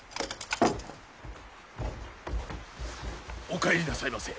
お帰りなさいませ。